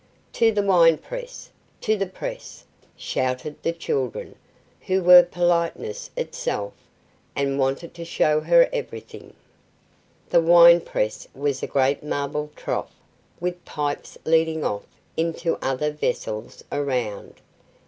"To the wine press! to the press!" shouted the children, who were politeness itself and wanted to show her everything. The wine press was a great marble trough with pipes leading off into other vessels around.